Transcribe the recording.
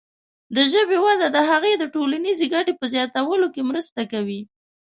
د ژبې وده د هغې د ټولنیزې ګټې په زیاتولو کې مرسته کوي.